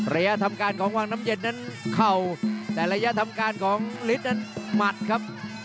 ระยะทำการของวังน้ำเย็นนั้นเข่าแต่ระยะทำการของฤทธิ์นั้นหมัดครับ